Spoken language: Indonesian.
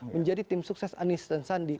menjadi tim sukses anis dan sandi